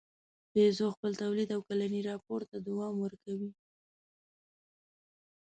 پيژو خپل تولید او کلني راپور ته دوام ورکوي.